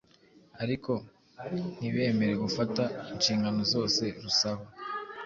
ariko ntibemere fugata inshingano zose rusaba.